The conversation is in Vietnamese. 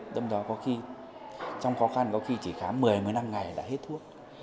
đâm đó có khi trong khó khăn có khi chỉ khám một mươi một mươi năm ngày là hết thuốc